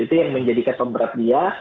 itu yang menjadikan pemberat dia